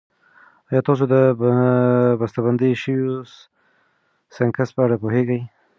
ایا تاسو د بستهبندي شويو سنکس په اړه پوهېږئ؟